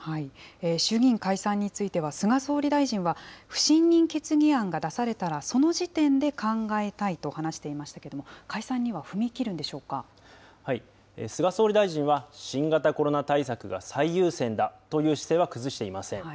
衆議院解散については、菅総理大臣は、不信任決議案が出されたらその時点で考えたいと話していましたけれども、解散には踏み菅総理大臣は、新型コロナ対策が最優先だという姿勢は崩していません。